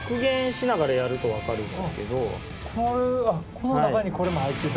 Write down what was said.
この中にこれも入ってた。